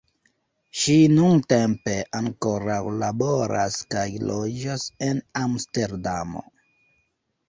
Ŝi nuntempe ankoraŭ laboras kaj loĝas en Amsterdamo.